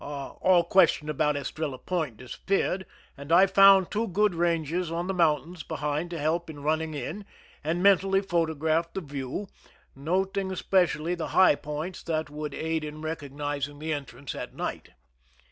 All question about Estrella Point disappeared, and I found two good ranges on the mountains behind to help in running in, and mentally photographed the view, noting specially the high points that would aid in recognizing the entrance at night.